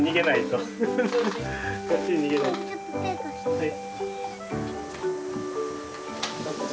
はい。